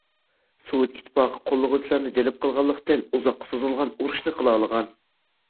سوۋېت ئىتتىپاقى قوللىغۇچىلارنى جەلپ قىلالىغانلىقتىن، ئۇزاققا سوزۇلغان ئۇرۇشىنى قىلالىغان.